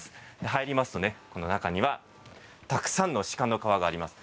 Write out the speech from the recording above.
入りますと、この中にはたくさんの鹿の革があります。